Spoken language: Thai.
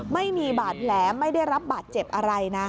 ไม่มีบาดแผลไม่ได้รับบาดเจ็บอะไรนะ